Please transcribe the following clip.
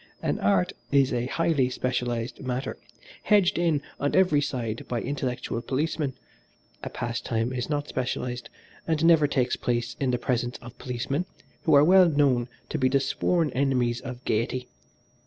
An art is a highly specialised matter hedged in on every side by intellectual policemen, a pastime is not specialised, and never takes place in the presence of policemen, who are well known to be the sworn enemies of gaiety.